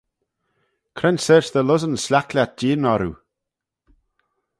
Cre'n sorçh dy lussyn s'laik lhiat jeeaghyn orroo?